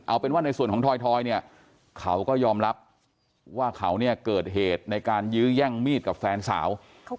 เอาเป็นว่าในส่วนของทอยเนี่ยเขาก็ยอมรับว่าเขาเนี่ยเกิดเหตุในการยื้อแย่งมีดกับแฟนสาว